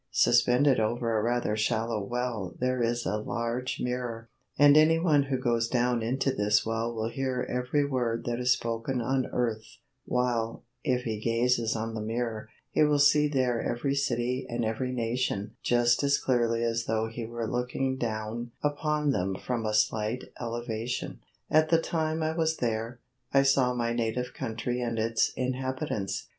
Suspended over a rather shallow well there is a large mirror, and anyone who goes down into this well will hear every word that is spoken on earth, while, if he gazes on the mirror, he will see there every city and every nation just as clearly as though he were looking down upon them from a slight elevation. At the time I was there, I saw my native country and its inhabitants.